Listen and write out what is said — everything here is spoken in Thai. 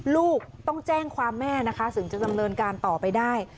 ลูกต้องแจ้งความแม่นะคะถึงจะดำเนินการต่อไปได้